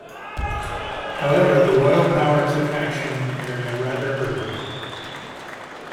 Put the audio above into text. However the royal power took action in the area rather early.